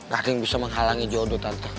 gak ada yang bisa menghalangi jodoh tante